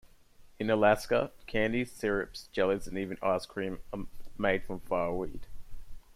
In Alaska, candies, syrups, jellies, and even ice cream are made from fireweed.